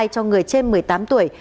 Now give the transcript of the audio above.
cho người trên một mươi tám tuổi